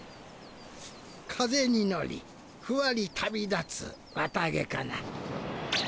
「風に乗りふわり旅立つわた毛かな」。